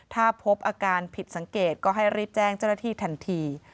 ถ้าพบอาการผิดสังเกตก็ให้รีบแจ้งเจ้าหน้าที่ทันที